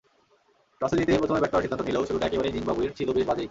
টসে জিতে প্রথমে ব্যাট করার সিদ্ধান্ত নিলেও শুরুটা একেবারেই জিম্বাবুয়ের ছিল বেশ বাজেই।